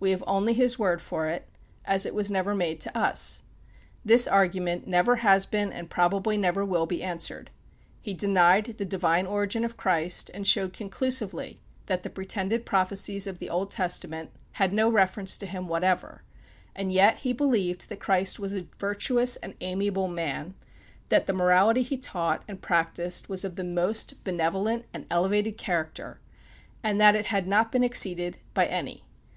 We have only his word for it, as it was never made to us. This argument never has been and probably never will be answered. He denied the divine origin of Christ, and showed conclusively that the pretended prophecies of the Old Testament had no reference to him whatever; and yet he believed that Christ was a virtuous and amiable man; that the morality he taught and practiced was of the most benevolent and elevated character, and that it had not been exceeded by any.